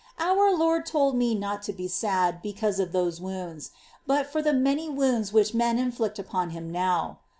Our Lord told me not to be sad because of those wounds, but for the many wounds which men inflict upon Him now.